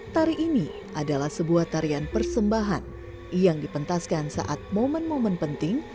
tari ini adalah sebuah tarian persembahan yang dipentaskan saat momen momen penting